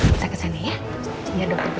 bisa kesana ya biar dokter periksa